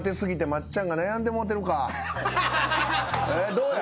どうや。